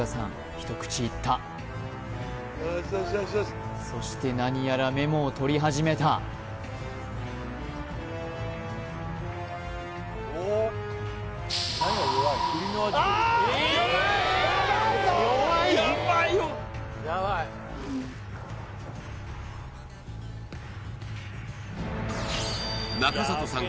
一口いったそして何やらメモを取り始めた中里さん